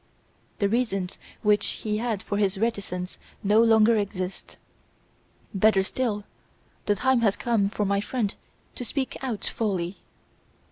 The reasons which he had for his reticence no longer exist. Better still, the time has come for my friend to speak out fully.